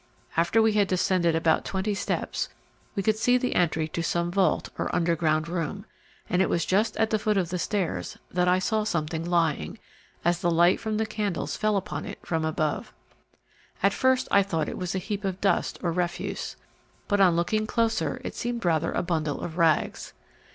After we had descended about twenty steps we could see the entry to some vault or underground room, and it was just at the foot of the stairs that I saw something lying, as the light from the candles fell on it from above. At first I thought it was a heap of dust or refuse, but on looking closer it seemed rather a bundle of rags.